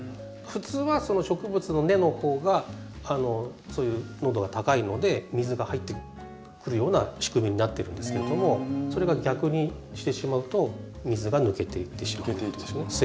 普通は植物の根の方がそういう濃度が高いので水が入ってくるような仕組みになってるんですけれどもそれが逆にしてしまうと水が抜けていってしまうんですね。